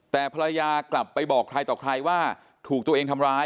แต่ภรรยากลับไปบอกใครต่อใครว่าถูกตัวเองทำร้าย